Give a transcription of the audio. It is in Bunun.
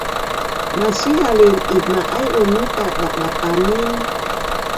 masihalin ikma’aiun mita daqdaqanin